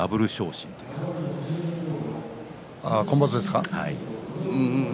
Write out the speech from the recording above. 今場所ですか。